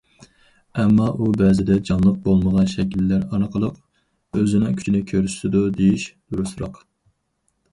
ئەمما ئۇ بەزىدە جانلىق بولمىغان شەكىللەر ئارقىلىق ئۆزىنىڭ كۈچىنى كۆرسىتىدۇ دېيىش دۇرۇسراق.